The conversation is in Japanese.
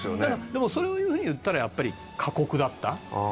でもそういうふうに言ったらやっぱり過酷だった。